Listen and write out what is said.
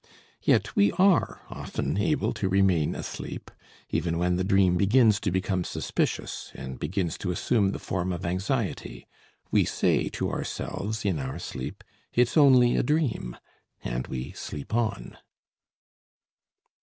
Yet we are often able to remain asleep, even when the dream begins to become suspicious, and begins to assume the form of anxiety. We say to ourselves in our sleep: "It's only a dream," and we sleep on.